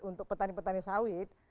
untuk petani petani sawit